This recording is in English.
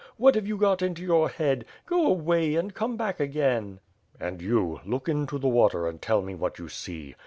What have you got into your head? Go away, and come back again." "And you, look into the water and tell me what you see.